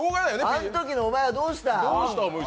あのときのお前はどうした？